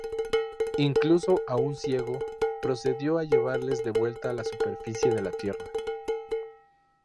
Incluso aún ciego, procedió a llevarles de vuelta a la superficie de la Tierra.